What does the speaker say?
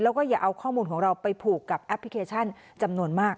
แล้วก็อย่าเอาข้อมูลของเราไปผูกกับแอปพลิเคชันจำนวนมาก